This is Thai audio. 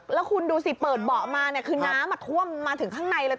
แล้วคุณดูสิเปิดเบาะมาน้ำมัดทวมมาถึงข้างในเลย